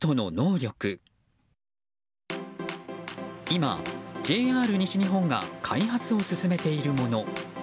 今、ＪＲ西日本が開発を進めているもの。